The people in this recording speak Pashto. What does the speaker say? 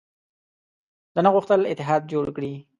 ده نه غوښتل اتحاد جوړ کړي.